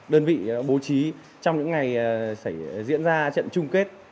đơn vị bố trí trong những ngày xảy ra trận chung kết